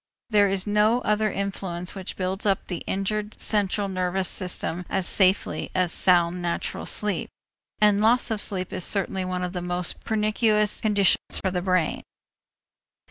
There is no other influence which builds up the injured central nervous system as safely as sound natural sleep, and loss of sleep is certainly one of the most pernicious conditions for the brain.